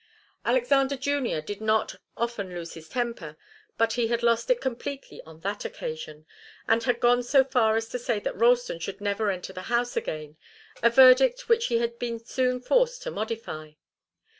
Alexander Junior did not often lose his temper, but he had lost it completely on that occasion, and had gone so far as to say that Ralston should never enter the house again, a verdict which he had been soon forced to modify.